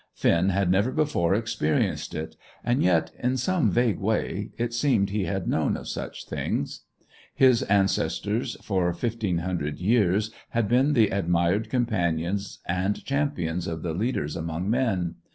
Finn had never before experienced it, and yet, in some vague way, it seemed he had known of such a thing. His ancestors for fifteen hundred years had been the admired companions and champions of the leaders among men.